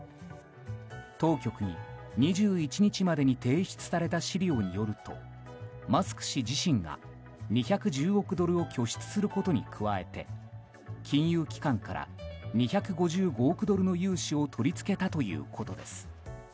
当局に２１日までに提出された資料によるとマスク氏自身が２１０億ドルを拠出することに加えて金融機関から２５５億ドルの融資を取り付けたということです。